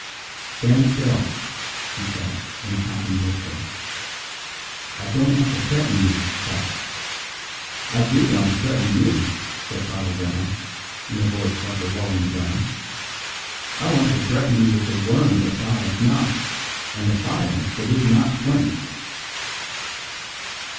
"Stand still," he said, in a hacking whisper. "I don't want to threaten you, but " "I do want to threaten you," said Father Brown, in a voice like a rolling drum, "I want to threaten you with the worm that dieth not, and the fire that is not quenched."